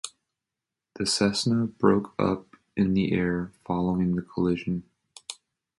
The Cessna broke up in the air following the collision.